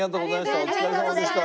お疲れさまでした。